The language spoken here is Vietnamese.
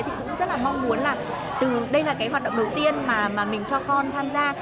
thì cũng rất là mong muốn là từ đây là cái hoạt động đầu tiên mà mình cho con tham gia